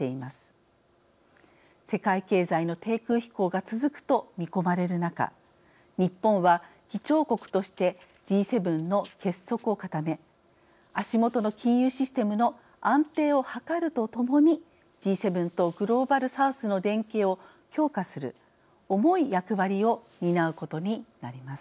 世界経済の低空飛行が続くと見込まれる中日本は議長国としてＧ７の結束を固め足元の金融システムの安定を図るとともにＧ７とグローバルサウスの連携を強化する重い役割を担うことになります。